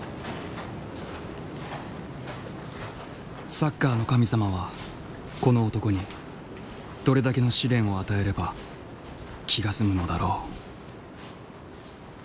サッカーの神様はこの男にどれだけの試練を与えれば気が済むのだろう。